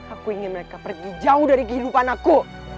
aku ingin mereka pergi jauh dari kehidupan aku